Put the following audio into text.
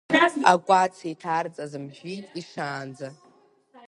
Акәац иҭарҵаз мжәит, ишаанӡа.